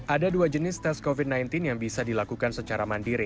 ada dua jenis tes covid sembilan belas yang bisa dilakukan secara mandiri